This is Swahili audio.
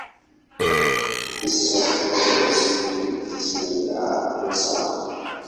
Ofisi zake kuu zipo Jijini Dar es Salaam.